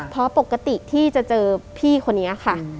เพราะปกติที่จะเจอพี่คนนี้ค่ะ